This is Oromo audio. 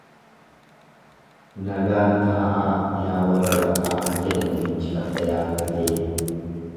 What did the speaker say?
Nagaan taa'aa yaa warra lafaa jedhe namichi farda yaabbatee.